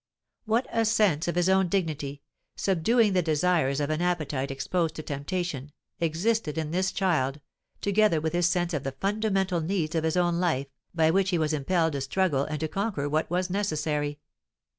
What a sense of his own dignity subduing the desires of an appetite exposed to temptation existed in this child, together with his sense of the fundamental needs of his own life, by which he was impelled to struggle and to conquer what was "necessary."